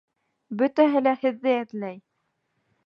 Бөтәһе лә һеҙҙе эҙләй!